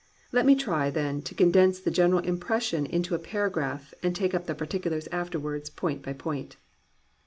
Let me try, then, to condense the general impres sion into a paragraph and take up the particulars afterwards, point by point.